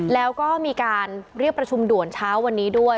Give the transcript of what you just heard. แล้วก็มีการเรียกประชุมด่วนเช้าวันนี้ด้วย